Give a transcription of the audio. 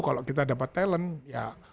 kalau kita dapat talent ya